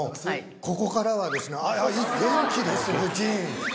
ここからはですねあっ元気です夫人。